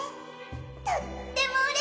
とってもうれしいです。